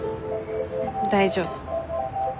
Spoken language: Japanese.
大丈夫。